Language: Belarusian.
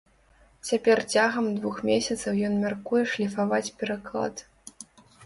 Цяпер цягам двух месяцаў ён мяркуе шліфаваць пераклад.